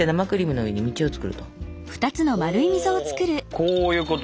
こういうこと？